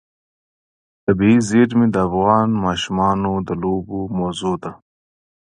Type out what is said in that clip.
طبیعي زیرمې د افغان ماشومانو د لوبو موضوع ده.